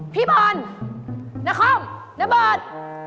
พี่บอลนาคอมนาบอล